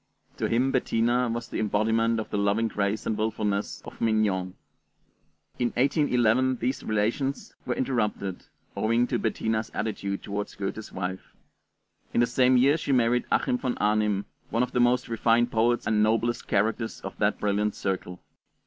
To him Bettina was the embodiment of the loving grace and willfulness of 'Mignon.' In 1811 these relations were interrupted, owing to Bettina's attitude toward Goethe's wife. In the same year she married Achim von Arnim, one of the most refined poets and noblest characters of that brilliant circle.